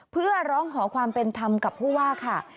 เพื่อร้องขอความเป็นธรรมกับผู้ว่าค่ะ